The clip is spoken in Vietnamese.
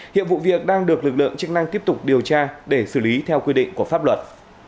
hiện vụ việc đang được lực lượng chức năng tiếp tục điều tra để xử lý theo quy định của pháp luật